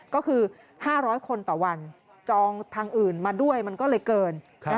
ก็คือ๕๐๐คนต่อวันจองทางอื่นมาด้วยมันก็เลยเกิน